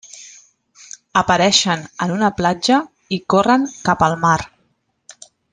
Apareixen en una platja i corren cap al mar.